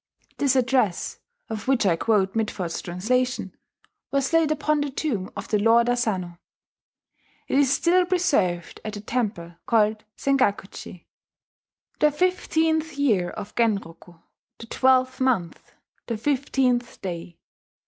This address, of which I quote Mitford's translation, was laid upon the tomb of the Lord Asano. It is still preserved at the temple called Sengakuji: "The fifteenth year of Genroku [17031, the twelfth month, the fifteenth day.